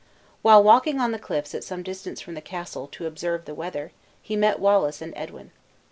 While walking on the cliffs at some distance from the castle to observe the weather, he met Wallace and Edwin.